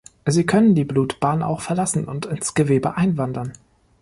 Sie können die Blutbahn auch verlassen und ins Gewebe einwandern.